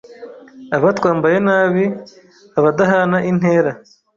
abatwambaye nabi, abadahana intera